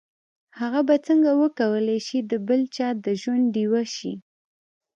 هغه به څنګه وکولای شي د بل چا د ژوند ډيوه شي.